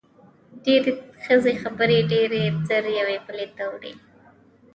ډېری ښځې خبرې ډېرې زر یوې بلې ته وړي.